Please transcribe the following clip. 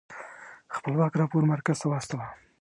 خپلواک راپور مرکز ته واستوه.